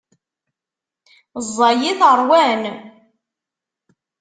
Ẓẓay-it ṛwan.